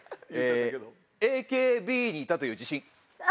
ＡＫＢにいたという自信。